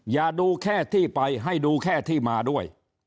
อย่าดูแค่ที่ไปให้ดูแค่ที่มาด้วย